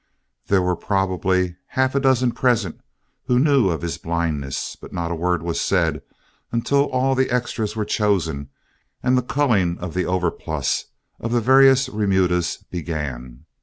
There were probably half a dozen present who knew of his blindness, but not a word was said until all the extras were chosen and the culling out of the overplus of the various remudas began.